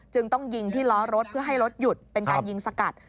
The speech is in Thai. ต้องยิงที่ล้อรถเพื่อให้รถหยุดเป็นการยิงสกัด